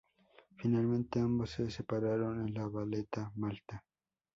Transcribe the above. Finalmente ambos se separaron en La Valeta, Malta.